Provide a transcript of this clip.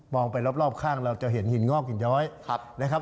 มองไปรอบข้างเราจะเห็นหินโรคหินร้อย